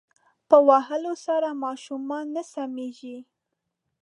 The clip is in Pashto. په وهلو سره ماشومان نه سمیږی